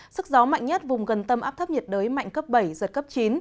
sức gió mạnh nhất vùng gần tâm áp thấp nhiệt đới mạnh cấp bảy giật cấp chín